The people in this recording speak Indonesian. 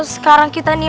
sekarang kita nih